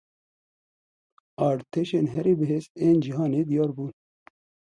Artêşên herî bihêz ên cîhanê diyar bûn.